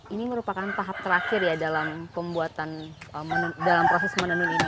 ini merupakan tahap terakhir ya dalam proses menenun ini